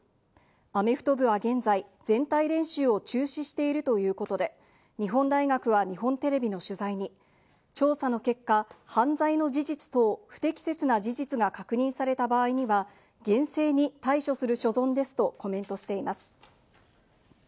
アメフト部は現在、全体練習を中止しているということで、日本大学は日本テレビの取材に、調査の結果、犯罪の事実等、不適切な事実が確認された場合には厳正に対処する所存ですとコメントしています。